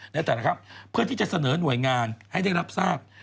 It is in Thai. ในแต่ละครับเพื่อที่จะเสนอหน่วยงานให้ได้รับทราบ